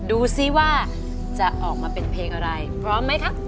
ดูสิว่าจะออกมาเป็นเพลงอะไรพร้อมไหมครับ